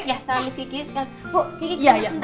ya salam istri ki sekarang bu ki ki kita sebentar ya